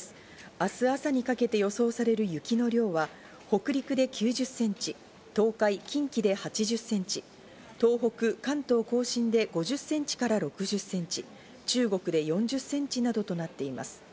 明日朝にかけて予想される雪の量は北陸で９０センチ、東海、近畿で８０センチ、東北、関東甲信で５０センチから６０センチ、中国で４０センチなどとなっています。